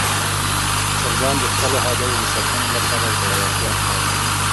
چرګان د خپلو هګیو د ساتنې لپاره زړورتیا ښيي.